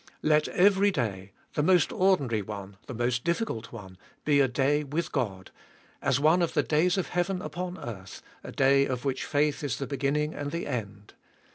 Let every day, the most ordinary one, the most difficult one, be a day with God, as one of the days of heaven upon earth, a day of which faith is the beginning and the end.